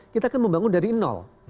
kita kan membangun dari nol